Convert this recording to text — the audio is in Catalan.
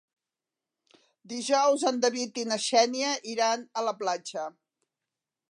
Dijous en David i na Xènia iran a la platja.